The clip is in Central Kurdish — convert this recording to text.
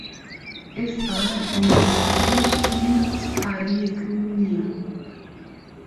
ئێستا نزیکەی هیچ پارەیەکم نییە.